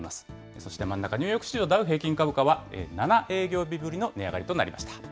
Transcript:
そして真ん中、ニューヨーク市場、ダウ平均株価は７営業日ぶりの値上がりとなりました。